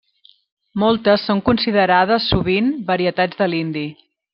Moltes són considerades sovint varietats de l'hindi.